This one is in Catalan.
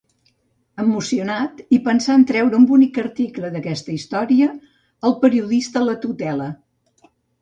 Emocionat, i pensant treure un bonic article d'aquesta història, el periodista la tutela.